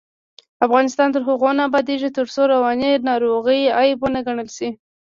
افغانستان تر هغو نه ابادیږي، ترڅو رواني ناروغۍ عیب ونه ګڼل شي.